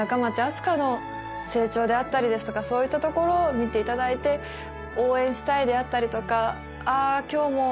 あす花の成長であったりですとかそういったところを見ていただいて応援したいであったりとかあ